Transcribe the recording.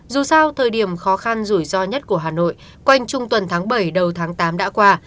dù sau thời điểm khó khăn rủi ro nhất của hà nội quanh trung tuần tháng bảy đầu tháng tám đã qua